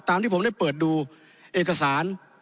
ที่ผมได้เปิดดูเอกสาร